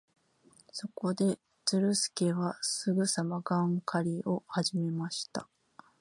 そこで、ズルスケはすぐさまガン狩りをはじめました。